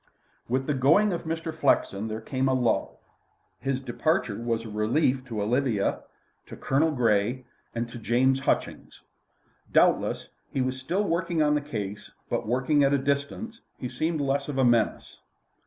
With the going of Mr. Flexen there came a lull. His departure was a relief to Olivia, to Colonel Grey, and to James Hutchings. Doubtless he was still working on the case; but, working at a distance, he seemed less of a menace.